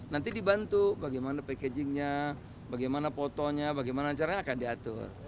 nanti dibantu bagaimana packagingnya bagaimana fotonya bagaimana caranya akan diatur